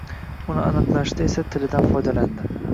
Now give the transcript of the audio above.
Uni aniqlashda esa tilidan foydalandi